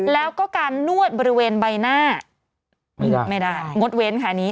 แล้วก็การนวดบริเวณใบหน้าไม่ได้งดเว้นค่ะอันนี้